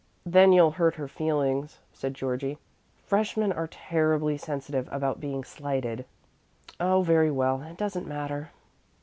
"Then you'll hurt her feelings," said Georgie. "Freshmen are terribly sensitive about being slighted." "Oh, very well; it doesn't matter."